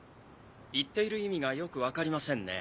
言っている意味がよく分かりませんね。